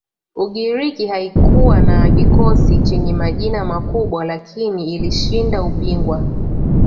ugiriki haikuwa na kikosi chenye majina makubwa lakini ilishinda ubingwa